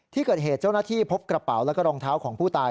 ที่เกิดเหตุเจ้าหน้าที่พบกระเป๋าแล้วก็รองเท้าของผู้ตาย